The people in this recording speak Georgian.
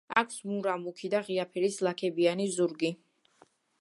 აქვს მურა, მუქი და ღია ფერის ლაქებიანი ზურგი.